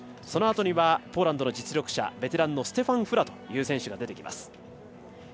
そのあとにはポーランドの実力者ベテランのステファン・フラが出てきます。